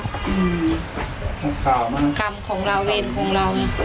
กรรมของเราเวรของเราเนอะ